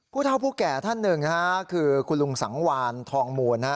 ผู้เท่าผู้แก่ท่านหนึ่งนะฮะคือคุณลุงสังวานทองมูลนะฮะ